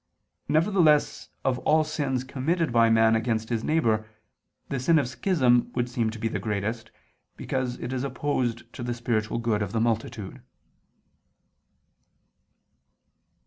Nevertheless of all sins committed by man against his neighbor, the sin of schism would seem to be the greatest, because it is opposed to the spiritual good of the multitude.